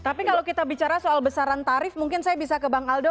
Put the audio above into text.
tapi kalau kita bicara soal besaran tarif mungkin saya bisa ke bang aldo